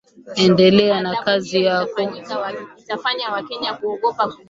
Endelea na kazi yako